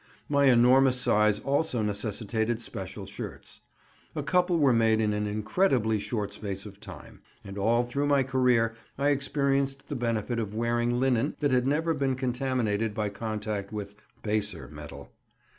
My enormous size also necessitated special shirts; a couple were made in an incredibly short space of time, and all through my career I experienced the benefit of wearing linen that had never been contaminated by contact with "baser metal."